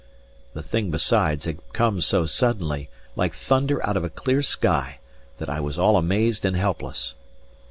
The thing, besides, had come so suddenly, like thunder out of a clear sky, that I was all amazed and helpless.